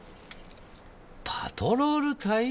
パトロール隊？